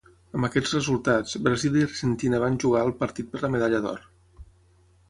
Amb aquests resultats, Brasil i Argentina van jugar el partit per la medalla d'or.